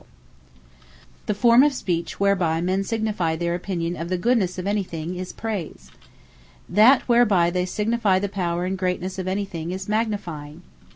Praise Magnification The form of speech whereby men signifie their opinion of the Goodnesse of anything is PRAISE. That whereby they signifie the power and greatness of anything is MAGNIFYING.